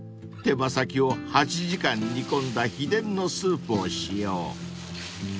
［手羽先を８時間煮込んだ秘伝のスープを使用］